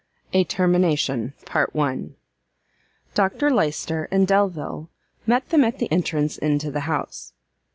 A TERMINATION. Dr Lyster and Delvile met them at the entrance into the house.